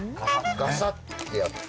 ガサッてやって。